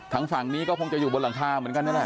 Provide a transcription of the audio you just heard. ทางฝั่งนี้ก็คงจะอยู่บนหลังคาเหมือนกันนั่นแหละ